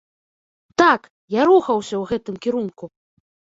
Так, я рухаўся ў гэтым кірунку!